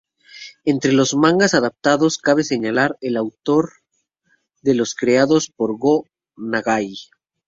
Entre los mangas adaptados, cabe señalar autor de los creados por Gō Nagai.